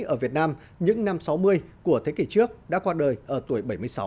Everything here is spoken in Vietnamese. ở việt nam những năm sáu mươi của thế kỷ trước đã qua đời ở tuổi bảy mươi sáu